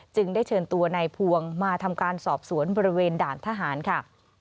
จึงได้เชิญตัวนายพวงมาทำการสอบสวนบริเวณด่านทหารค่ะ